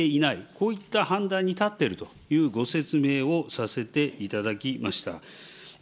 こういった判断に立ってるというご説明をさせていただきました。